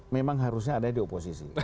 memang harusnya ada di oposisi